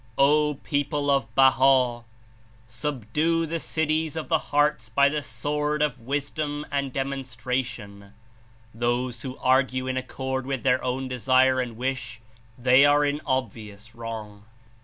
"O people of Baha ! Subdue the cities of the hearts by the sword of wisdom and demonstration; those who argue in accord w^ith their own desire and wish, they are in obvious wrong.